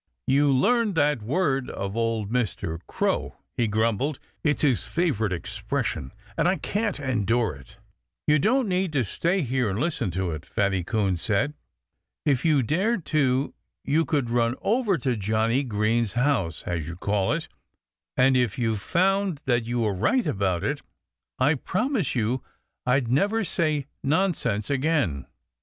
"You learned that word of old Mr. Crow!" he grumbled. "It's his favorite expression; and I can't endure it." "You don't need to stay here and listen to it," Fatty Coon said. "If you dared to you could run over to Johnnie Green's house (as you call it); and if you found that you were right about it I promise you I'd never say 'Nonsense' again."